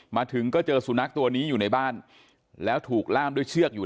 มาถึงก็เจอสุนัขตัวนี้อยู่ในบ้านแล้วถูกล่ามด้วยเชือกอยู่